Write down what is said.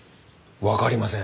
わかりません。